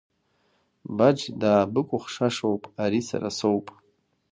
Баџ даабыкәхшашоуп, ари сара соуп.